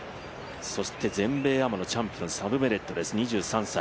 そして全米アマのチャンピオンサム・ベネットです、２３歳。